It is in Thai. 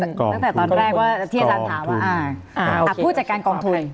ตั้งแต่ตอนแรกว่าที่อาจารย์ถามว่าผู้จัดการกองทุน